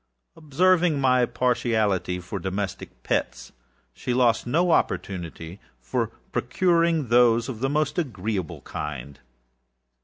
Observing my partiality for domestic pets, she lost no opportunity of procuring those of the most agreeable kind.